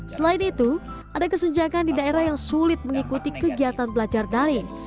selain itu ada kesenjangan di daerah yang sulit mengikuti kegiatan belajar daring